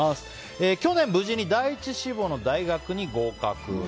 去年無事に第１志望の大学に合格。